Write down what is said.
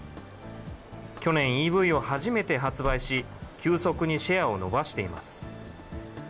去年、ＥＶを初めて発売し、急速にシェアを伸ばしています。